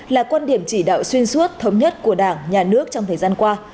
là quan điểm chỉ đạo xuyên suốt thống nhất của đảng nhà nước trong thời gian qua